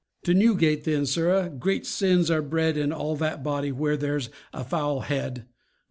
To Newgate, then. Sirrah, great sins are bred In all that body where there's a foul head.